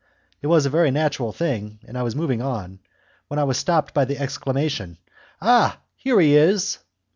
It was a very natural thing, and I was moving on, when I was stopped by the exclamation, "Ah, here he is!"